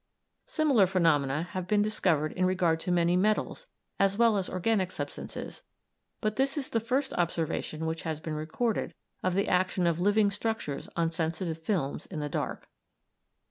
Similar phenomena have been discovered in regard to many metals as well as organic substances, but this is the first observation which has been recorded of the action of living structures on sensitive films in the dark.